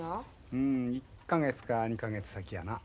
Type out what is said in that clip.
うん１か月か２か月先やな。